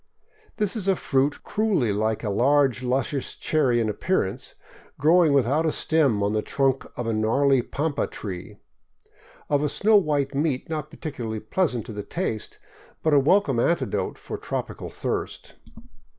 This is a fruit cruelly like a large luscious cherry in appearance, grow ing without a stem on the trunk of a gnarly pampa tree, of a snow white meat not particularly pleasant to the taste, but a welcome antidote for tropical thirst.